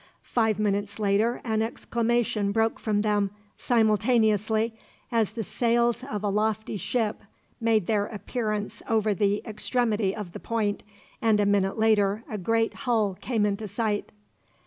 Five minutes later an exclamation broke from them, simultaneously, as the sails of a lofty ship made their appearance over the extremity of the point, and a minute later a great hull came into sight.